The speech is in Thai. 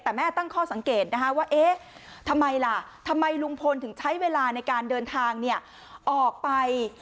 แต่แม่ตั้งข้อสังเกตนะคะว่าเอ๊ะทำไมล่ะทำไมลุงพลถึงใช้เวลาในการเดินทางออกไป